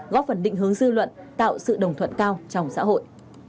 góp phần định hướng dư luận tạo sự đồng thuận cao trong xã hội